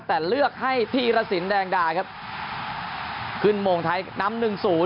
แต่เลือกให้ที่ระสินแดงดาครับขึ้นโมงไทยน้ำ๑๐